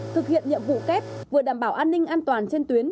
thực hiện nhiệm vụ kép vừa đảm bảo an ninh an toàn trên tuyến